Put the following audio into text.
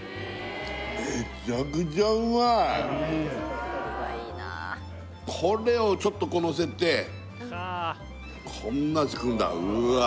めちゃくちゃうまいこれをちょっとこうのせてこんなして食うんだうわっ